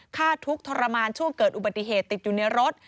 ทุกข์ทรมานช่วงเกิดอุบัติเหตุติดอยู่ในรถ